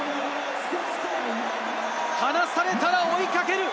離されたら追いかける！